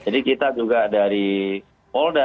jadi kita juga dari polda